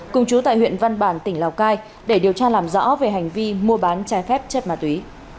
cùng chú tại huyện văn bản tỉnh lào cai để điều tra làm rõ về hành vi mua bán trái phép chất ma túy